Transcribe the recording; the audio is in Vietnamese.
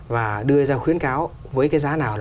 và đưa ra khuyến cáo với cái giá nào